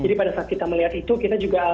jadi pada saat kita melihat itu kita juga tidak tahu